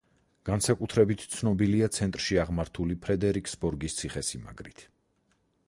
განსაკუთრებით ცნობილია ცენტრში აღმართული ფრედერიკსბორგის ციხესიმაგრით.